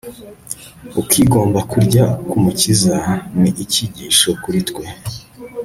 Ukwigomwa kurya kUmukiza ni icyigisho kuri twe